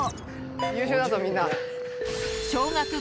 優秀だぞみんな。